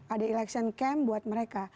ada election camp buat mereka